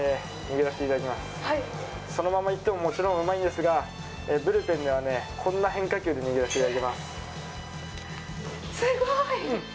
そのままいってももちろんうまいんですがブルペンではこんな変化球で握らせていただきます。